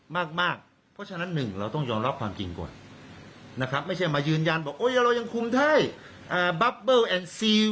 เพราะฉะนั้นหนึ่งเราต้องยอมรับความจริงก่อน